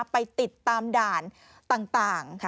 ไปติดตามด่านต่าง